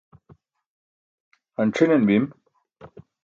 han c̣hinan bim